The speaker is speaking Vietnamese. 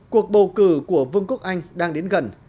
cuộc bầu cử của vương quốc anh đang đến gần